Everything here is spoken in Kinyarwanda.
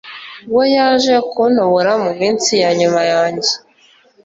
waje kuntobora mu minsi yanyuma yanjye